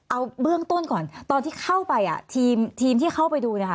เอาเรื่องต้นก่อนตอนที่เข้าไปทีมที่เข้าไปดู